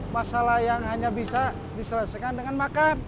masalah yang hanya bisa diselesaikan dengan makar